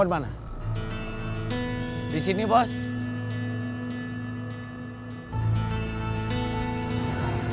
lain tahun aku berada dia selalu tertentu dengan teman kuliah